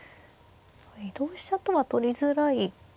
同飛車とは取りづらいですか。